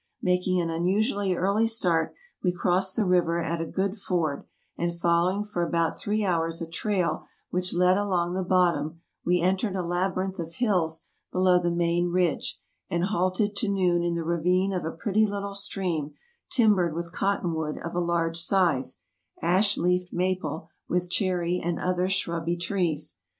Making an unusually early start we crossed the river at a good ford; and following for about three hours a trail which led along the bottom we entered a labyrinth of hills below the main ridge, and halted to noon in the ravine of a pretty little stream timbered with cotton wood of a large size, ash leaved maple, with cherry and other shrubby trees.